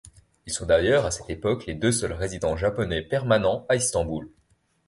Ils sont d'ailleurs à cette époque les deux seuls résidents japonais permanents à Istanbul.